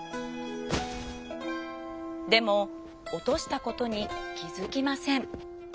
でもおとしたことにきづきません。